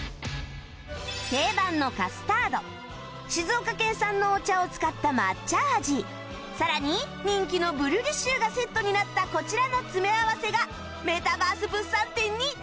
定番のカスタード静岡県産のお茶を使った抹茶味さらに人気のブリュレシューがセットになったこちらの詰め合わせがメタバース物産展に仲間入り